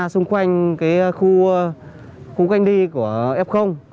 xung quanh khu canh đi của f